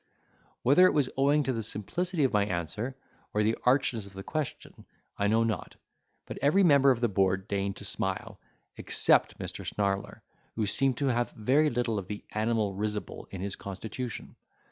Whether it was owing to the simplicity of my answer, or the archness of the question, I know not, but every member at the board deigned to smile, except Mr. Snarler, who seemed to have very little of the 'animal risible' in his constitution.